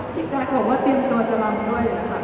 พี่แจ๊กบอกว่าเตรียมตัวจะรังด้วยนะครับ